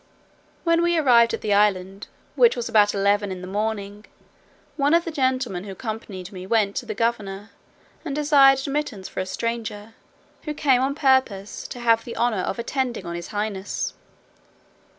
When we arrived at the island, which was about eleven in the morning, one of the gentlemen who accompanied me went to the governor, and desired admittance for a stranger, who came on purpose to have the honour of attending on his highness.